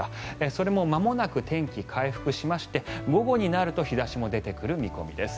それもまもなく天気回復しまして午後になると日差しも出てくる見込みです。